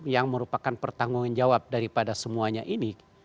yang merupakan pertanggung jawab daripada semuanya ini